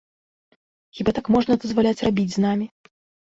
Хіба так можна дазваляць рабіць з намі?